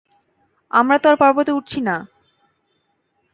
আমরা তো আর পর্বতে উঠছিনা।